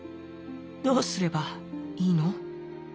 「どうすればいいの？」。